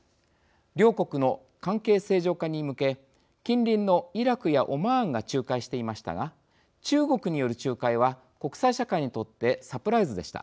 両国の関係正常化に向け近隣のイラクやオマーンが仲介していましたが中国による仲介は国際社会にとってサプライズでした。